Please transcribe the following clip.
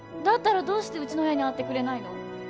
だったらどうしてうちの親に会ってくれないの？